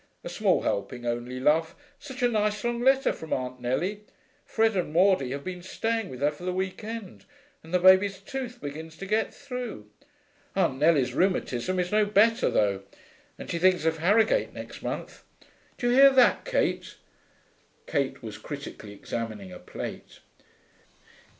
'A small helping only, love.... Such a nice long letter from Aunt Nellie. Fred and Maudie have been staying with her for the week end, and the baby's tooth begins to get through. Aunt Nellie's rheumatism is no better, though, and she thinks of Harrogate next month. Do you hear that, Kate?' Kate was critically examining a plate.